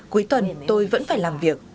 cuối tuần tôi vẫn phải làm việc